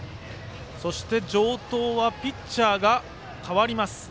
城東はピッチャーが代わります。